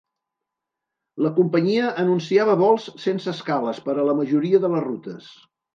La companyia anunciava vols sense escales per a la majoria de les rutes.